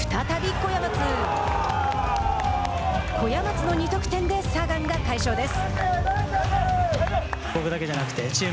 小屋松の２得点でサガンが快勝です。